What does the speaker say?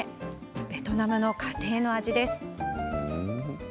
ベトナムの家庭の味です。